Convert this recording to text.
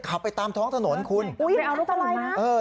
ขับไปตามท้องถนนคุณไปเอารถอะไรนะ